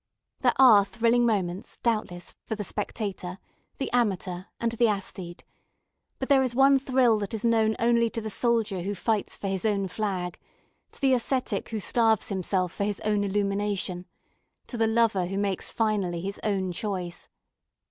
There are thrilling moments, doubtless, for the spectator, the amateur, and the aesthete; but there is one thrill that is known only to the soldier who fights for his own flag, to the ascetic who starves himself for his own illumination, to the lover who makes finally his own choice.